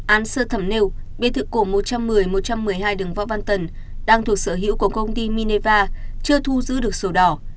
án sơ thẩm nêu biệt thự cổ một trăm một mươi một trăm một mươi hai đường võ văn tần đang thuộc sở hữu của công ty mineva chưa thu giữ được sổ đỏ